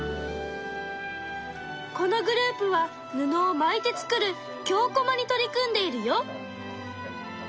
このグループは布を巻いて作る京こまに取り組んでいるよ。